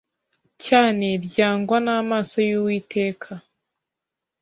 cyane byangwa n’amaso y’uwiteka